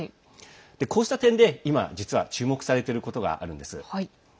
こうした点で今、実は注目されていることがあるんです。